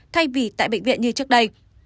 thay vì tại bệnh viện như trước đây